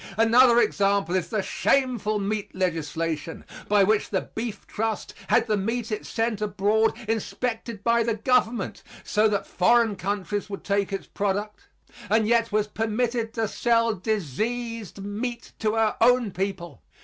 Another example is the shameful meat legislation, by which the Beef Trust had the meat it sent abroad inspected by the government so that foreign countries would take its product and yet was permitted to sell diseased meat to our own people.